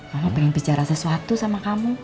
kamu pengen bicara sesuatu sama kamu